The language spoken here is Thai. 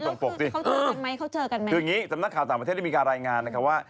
โดยงี้ตรงนั้นข่าวสามวัล์เทพดีมีรายงานนะครับว่า